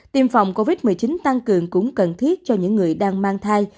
tiêm phòng covid một mươi chín tăng cường cũng cần thiết cho những người đang mang thai